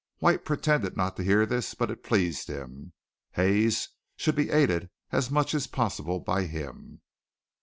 White pretended not to hear this, but it pleased him. Hayes should be aided as much as possible by him.